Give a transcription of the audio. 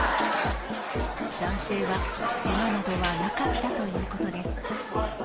男性は、けがなどはなかったということです。